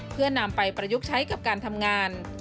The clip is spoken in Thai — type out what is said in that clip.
เพื่อนำไปประยุกต์ใช้กับการทำงาน